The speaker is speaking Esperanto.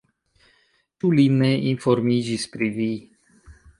Ĉu li ne informiĝis pri vi?